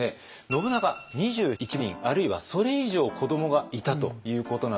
信長２１人あるいはそれ以上子どもがいたということなんですけれども。